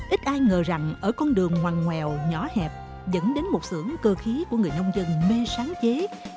ít ai ngờ rằng ở con đường hoàng ngoèo nhỏ hẹp dẫn đến một xưởng cơ khí của người nông dân mê sáng chế